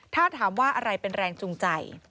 ถ้าถามว่าอะไรเป็นแรงจูงใจ